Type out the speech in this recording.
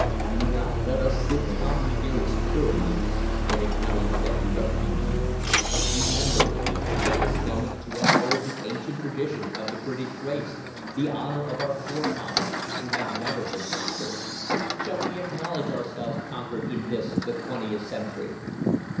Do not let us sit calmly here in security, and acknowledge that we are beaten. Remember, we have at this moment to uphold the ancient tradition of the British race, the honour of our forefathers, who have never been conquered. Shall we acknowledge ourselves conquered in this the twentieth century?"